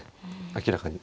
明らかに。